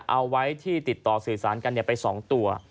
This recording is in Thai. เอาไว้ที่ติดต่อสื่อสารกันไป๒ตัว